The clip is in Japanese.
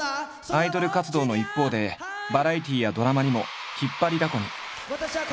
アイドル活動の一方でバラエティーやドラマにも引っ張りだこに。